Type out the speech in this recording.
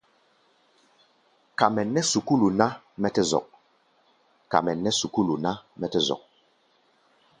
Ka mɛ nɛ́ sukúlu ná, mɛ́ tɛ́ zɔk.